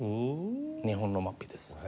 日本のマッピです。